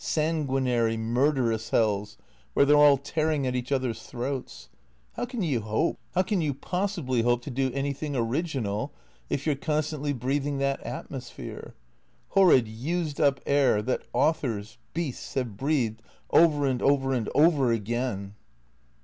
Sanguinary, murderous hells, where they 're all tearing at each other 's throats. How can you hope, how can you possibly hope to do anything original, if you 're constantly breathing that atmosphere ? Horrid used up air that authors — beasts !— have breathed over and over and over again."